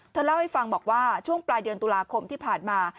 เล่าให้ฟังบอกว่าช่วงปลายเดือนตุลาคมที่ผ่านมา